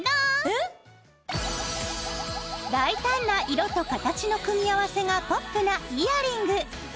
えっ⁉大胆な色と形の組み合わせがポップなイヤリング。